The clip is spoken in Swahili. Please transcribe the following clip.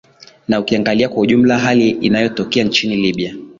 na ukiangalia kwa ujumla hali inayotokea nchini libya